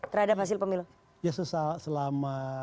terhadap hasil pemilu yesus selama